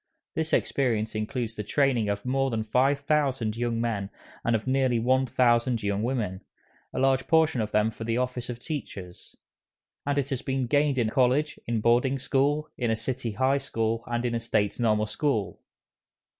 This experience includes the training of more than five thousand young men and of nearly one thousand young women, a large portion of them for the office of teachers; and it has been gained in College, in Boarding School, in a city High School, and in a State Normal School.